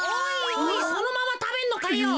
おいおいそのままたべんのかよ。